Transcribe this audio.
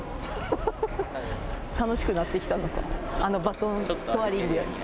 楽しくなってきたのか、あのバトントワリング。